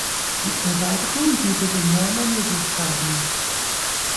Die Erweiterung bietet enorme Möglichkeiten.